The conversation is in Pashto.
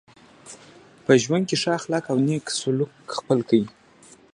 په ژوند کي ښه اخلاق او نېک سلوک خپل کئ.